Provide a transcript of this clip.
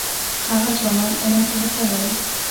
هغه ځوانان علم ته هڅول.